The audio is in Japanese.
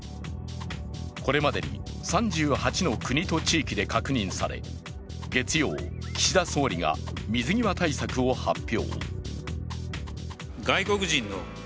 これまでに３８の国と地域で確認され月曜岸田総理が水際対策を発表。